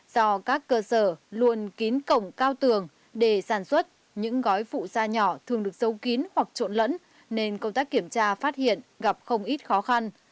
do các cơ sở luôn kín cổng cao tường để sản xuất những gói phụ da nhỏ thường được giấu kín hoặc trộn lẫn nên công tác kiểm tra phát hiện gặp không ít khó khăn